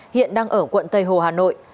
hiện đang ở quận tây hồ hà nội